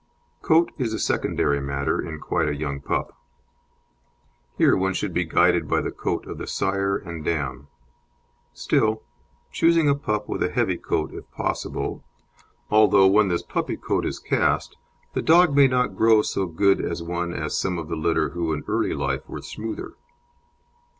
Coat is a secondary matter in quite a young pup; here one should be guided by the coat of the sire and dam. Still, choose a pup with a heavy coat, if possible, although when this puppy coat is cast, the dog may not grow so good as one as some of the litter who in early life were smoother.